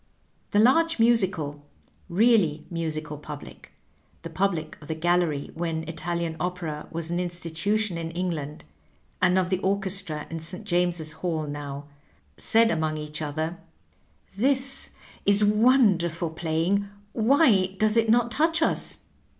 The large musical, really musical pub lic — the public of the gallery when Italian opera was an institution in England, and of the orchestra in St. James's Hall now — said among each other, "This is wonderful playing ; why does it not touch us?''